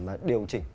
để mà điều chỉnh